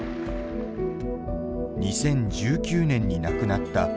２０１９年に亡くなった李鋭。